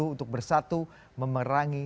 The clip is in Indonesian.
untuk bersatu memerangi